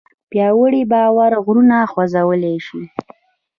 پیاوړی باور غرونه خوځولی شي.